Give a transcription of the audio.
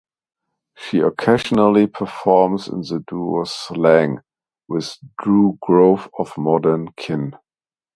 She occasionally performs in the duo Slang, with Drew Grow of Modern Kin.